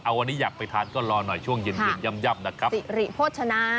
วันนี้อยากไปทานก็รอหน่อยช่วงเย็นเย็นย่ำนะครับสิริโภชนา